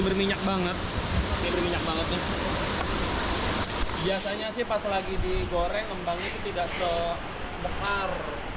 berminyak banget minyak banget biasanya sih pas lagi digoreng membangun tidak so bekar